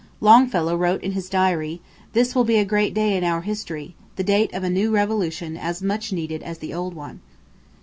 Longfellow wrote in his diary: "This will be a great day in our history; the date of a new revolution as much needed as the old one."